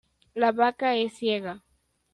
La vaca es ciega.